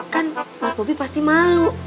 kan mas bobi pasti malu